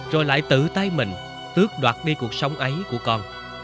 rồi lại tự tay mình tước đoạt đi cuộc sống ấy của con